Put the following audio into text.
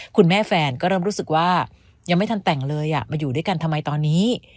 แฟนก็เริ่มรู้สึกว่ายังไม่ทันแต่งเลยมาอยู่ด้วยกันทำไมตอนนี้